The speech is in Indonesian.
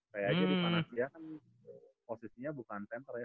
saya aja di panasya kan posisinya bukan center ya